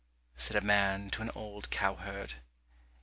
said a man to an old cow herd.